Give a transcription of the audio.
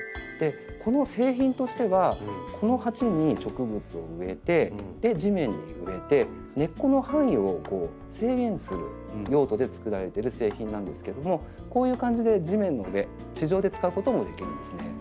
この製品としてはこの鉢に植物を植えて地面に植えて根っこの範囲を制限する用途でつくられてる製品なんですけどもこういう感じで地面の上地上で使うこともできるんですね。